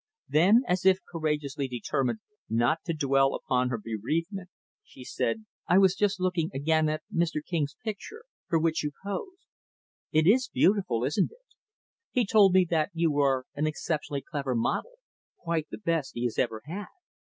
Then, as if courageously determined not to dwell upon her bereavement, she said, "I was just looking, again, at Mr. King's picture for which you posed. It is beautiful, isn't it? He told me that you were an exceptionally clever model quite the best he has ever had."